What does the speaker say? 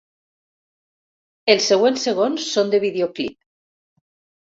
Els següents segons són de videoclip.